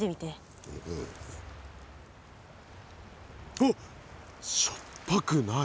おっしょっぱくない！